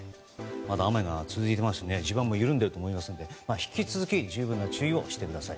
雨が続いていますし地盤も緩んでいると思いますので引き続き十分な注意をしてください。